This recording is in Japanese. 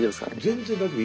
全然大丈夫。